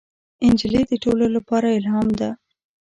نجلۍ د ټولو لپاره الهام ده.